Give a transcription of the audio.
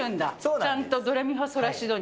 ちゃんとドレミファソラシドに。